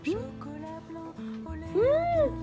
うん！